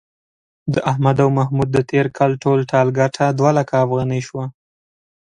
د احمد او محمود د تېر کال ټول ټال گټه دوه لکه افغانۍ شوه.